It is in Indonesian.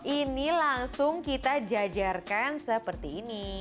ini langsung kita jajarkan seperti ini